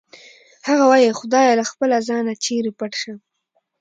هغه وایی خدایه له خپله ځانه چېرې پټ شم